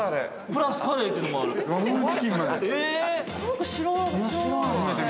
◆プラスカレーというのもある。